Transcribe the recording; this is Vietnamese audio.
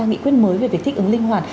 nghị quyết mới về việc thích ứng linh hoạt